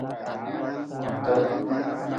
Kunta.